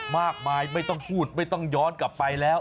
ไม่ต้องพูดไม่ต้องย้อนกลับไปแล้ว